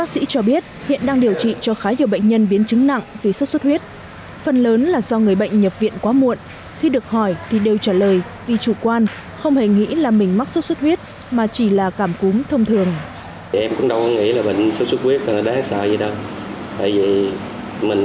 sẽ có thể dẫn đến những biến chứng nguy hiểm người dân không nên chủ quan